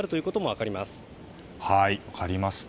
分かりました。